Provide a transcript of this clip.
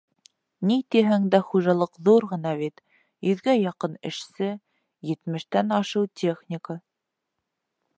— Ни тиһәң дә, хужалыҡ ҙур ғына бит: йөҙгә яҡын эшсе, етмештән ашыу техника.